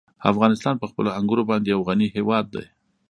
افغانستان په خپلو انګورو باندې یو غني هېواد دی.